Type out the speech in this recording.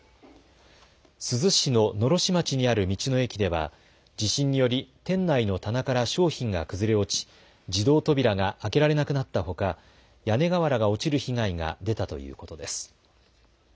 珠洲市の狼煙町にある道の駅では地震により店内の棚から商品が崩れ落ち自動扉が開けられなくなったほか屋根瓦が落ちる被害が出たということです。